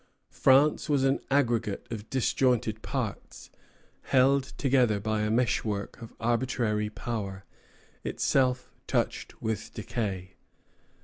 France was an aggregate of disjointed parts, held together by a meshwork of arbitrary power, itself touched with decay.